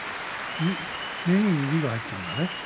目に指が入ったんだね